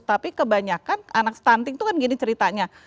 tapi kebanyakan anak stunting itu kan gini ceritanya